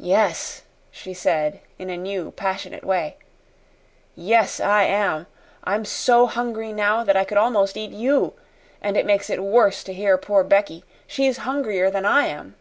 "Yes," she said in a new passionate way. "Yes, I am. I'm so hungry now that I could almost eat you. And it makes it worse to hear poor Becky. She's hungrier than I am."